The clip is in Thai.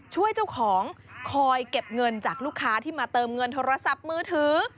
ช่วยเจ้าของคอยเก็บเงินจากลูกค้าที่มาเติมเงินโทรศัพท์มือถือ